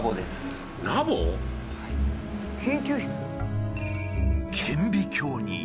研究室？